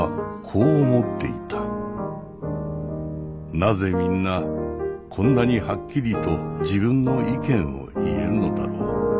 なぜみんなこんなにはっきりと自分の意見を言えるのだろう。